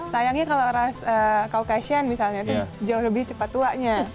sayangnya kalau ras kaucassion misalnya itu jauh lebih cepat tuanya